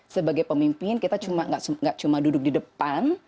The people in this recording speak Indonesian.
sebagai pemimpin kita cuma nggak cuma duduk di depan